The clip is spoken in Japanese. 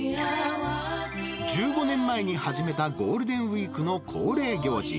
１５年前に始めたゴールデンウィークの恒例行事。